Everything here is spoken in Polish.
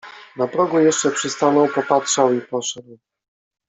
Na progu jeszcze przystanął, popatrzał i poszedł.